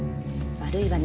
悪いわね